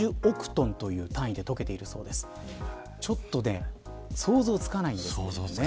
ちょっと想像つかないんですけどね。